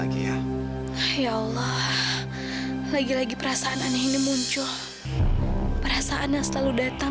aku gak pernah mau hilang